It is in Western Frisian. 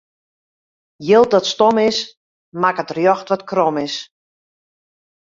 Jild dat stom is, makket rjocht wat krom is.